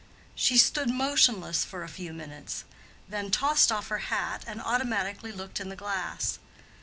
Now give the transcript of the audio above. She stood motionless for a few minutes, then tossed off her hat and automatically looked in the glass.